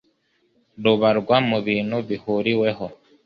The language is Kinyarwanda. rubarwa mu bintu bihuriweho